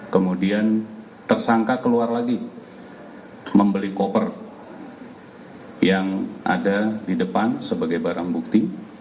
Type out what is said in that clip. kemudian tersangka keluar lagi membeli koper yang ada di depan sebagai barang bukti